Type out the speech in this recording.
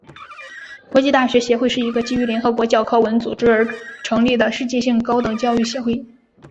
国际大学协会是一个基于联合国教科文组织而成立的世界性高等教育协会。